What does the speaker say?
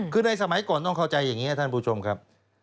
คือในสมัยก่อนต้องเข้าใจอย่างนี้ท่านผู้ชมครับ